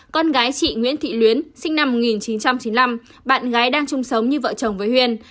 con gái chị nguyễn thị luyến sinh năm một nghìn chín trăm chín mươi năm bạn gái đang chung sống như vợ chồng với huyền